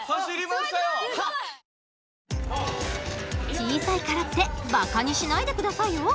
小さいからってばかにしないで下さいよ。